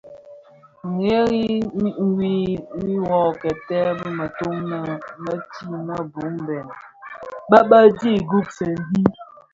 Ngheri win wuö kèbtèè bi mëto në metig më bum bèn bë bë dhi gubsèn dhi.